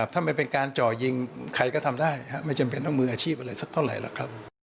ถ้ามันเป็นการจ่อยิงใครก็ทำได้ไม่จำเป็นต้องมืออาชีพอะไรสักเท่าไหร่หรอกครับ